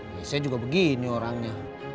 biasanya juga begini orangnya